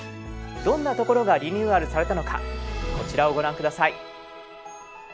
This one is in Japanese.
どんなところがリニューアルされたのかこちらをご覧下さい。